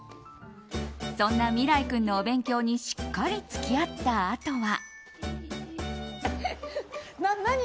そんな美良生君のお勉強にしっかり付き合ったあとは。